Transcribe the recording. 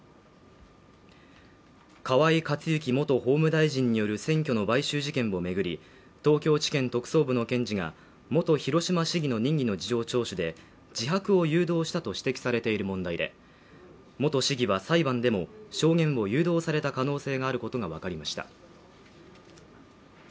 河井克行元法務大臣による選挙の買収事件を巡り、東京地検特捜部の検事が元広島市議の任意の事情聴取で、自白を誘導したと指摘されている問題で、元市議は裁判でも証言を誘導された可能性があることがわかりました。